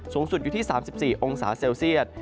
สูงสุดอยู่ที่๓๔องศาเซลเซียต